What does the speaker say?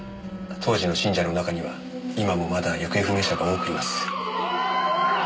当時の信者の中には今もまだ行方不明者が多くいます。